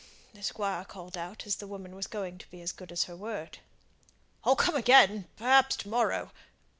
the Squire called out as the woman was going to be as good as her word. "I'll come again, perhaps to morrow.